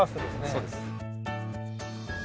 そうです。